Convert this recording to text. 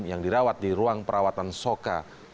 yang dirawat di ruang perawatan soka